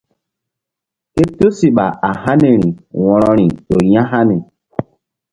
Ké tusiɓa a haniri wo̧roi ƴo ya̧hani.